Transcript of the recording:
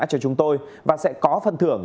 cho chúng tôi và sẽ có phần thưởng